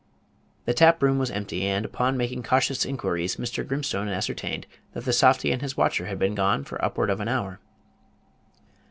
The tap room was empty; and, upon making cautious inquiries, Mr. Grimstone ascertained that the softy and his watcher had been gone for upward of an hour.